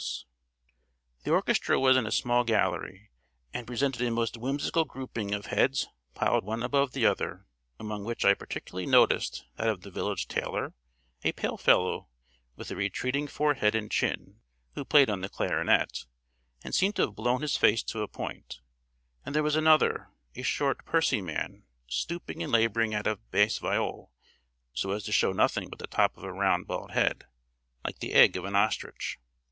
] The orchestra was in a small gallery, and presented a most whimsical grouping of heads, piled one above the other, among which I particularly noticed that of the village tailor, a pale fellow with a retreating forehead and chin, who played on the clarionet, and seemed to have blown his face to a point; and there was another, a short pursy man, stooping and labouring at a bass viol, so as to show nothing but the top of a round bald head, like the egg of an ostrich.